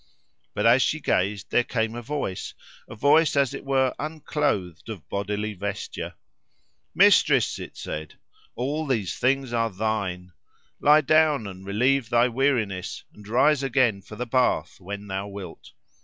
But as she gazed there came a voice—a voice, as it were unclothed of bodily vesture—"Mistress!" it said, "all these things are thine. Lie down, and relieve thy weariness, and rise again for the bath when thou wilt.